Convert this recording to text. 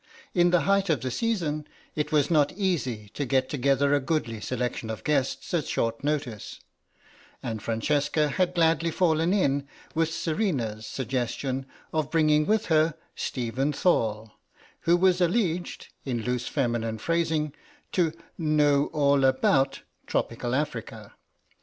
In the height of the Season it was not easy to get together a goodly selection of guests at short notice, and Francesca had gladly fallen in with Serena's suggestion of bringing with her Stephen Thorle, who was alleged, in loose feminine phrasing, to "know all about" tropical Africa.